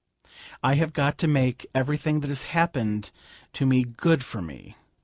I have got to make everything that has happened to me good for me.